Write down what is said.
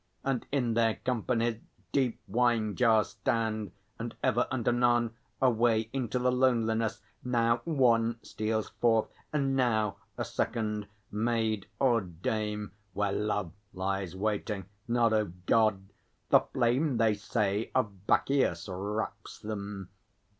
And in their companies Deep wine jars stand, and ever and anon Away into the loneliness now one Steals forth, and now a second, maid or dame, Where love lies waiting, not of God! The flame, They say, of Bacchios wraps them.